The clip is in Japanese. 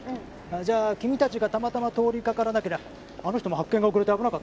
じゃあ君たちがたまたま通りかからなけりゃあの人も発見が遅れて危なかったね。